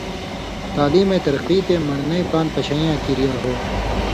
تعلیمَیں ترقی تے من٘ڑنئ پان٘د پشَیں یاں کِریا ہو۔